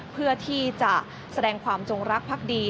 เพื่อที่จะแสดงความจงรักพักดี